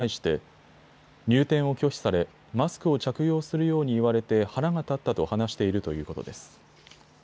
男は警察の取り調べに対して入店を拒否され、マスクを着用するように言われて腹が立ったと話しているということです。